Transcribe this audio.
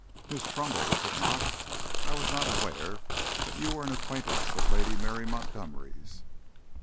"Miss Trumbull, is it not? I was not aware that you were an acquaintance of Lady Mary Montgomery's."